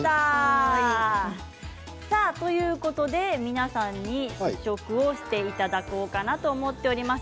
皆さんに試食をしていただこうかなと思っております。